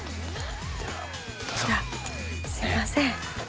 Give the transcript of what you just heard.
じゃあすいません。